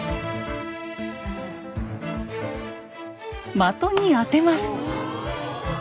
的に当てます。